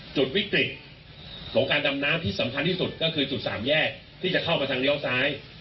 จุดวิกฤตของการดำน้ำที่สำคัญที่สุดก็คือจุดสามแยกที่จะเข้ามาทางเลี้ยวซ้าย